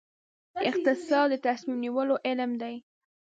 اقتصاد د تصمیم نیولو علم دی